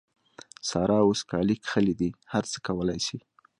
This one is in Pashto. سارا اوس کالي کښلي دي؛ هر څه کولای سي.